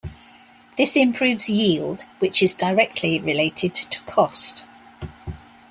This improves yield, which is directly related to cost.